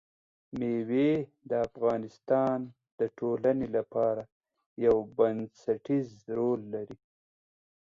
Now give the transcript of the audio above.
مېوې د افغانستان د ټولنې لپاره یو بنسټيز رول لري.